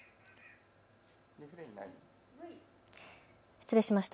失礼しました。